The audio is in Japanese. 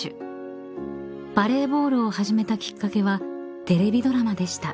［バレーボールを始めたきっかけはテレビドラマでした］